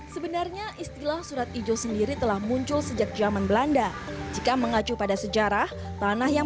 sebenarnya istilah surat ijo sendiri telah muncul sejak zaman belanda jika mengacu pada sejarah tanah yang